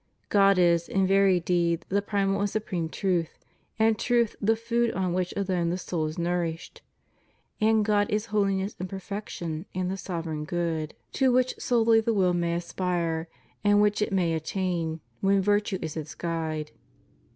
God is, in very deed, the primal and supreme truth, and truth the food on which alone the soul is nourished; and God is hohness in perfection and the sovereign good, 180 CHIEF DUTIES OF CHRISTIANS AS CITIZENS. 181 to which solely the will may aspire and which it may attain, when virtue is its guide.